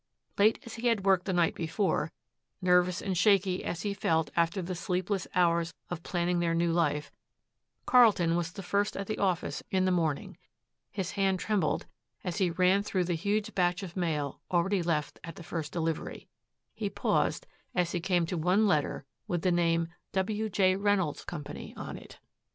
Late as he had worked the night before, nervous and shaky as he felt after the sleepless hours of planning their new life, Carlton was the first at the office in the morning. His hand trembled as he ran through the huge batch of mail already left at the first delivery. He paused as he came to one letter with the name "W. J. REYNOLDS CO." on it.